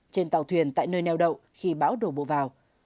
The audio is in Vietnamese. trên tàu thuyền tại nơi neo đậu khi bão đổ bộ vào